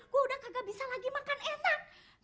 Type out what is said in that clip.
gue udah kagak bisa lagi makan enak